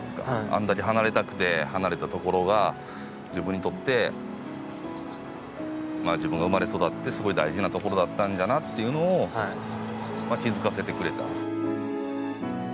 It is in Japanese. あんだけ離れたくて離れたところが自分にとって自分が生まれ育ってすごい大事なところだったんだなっていうのを気付かせてくれた。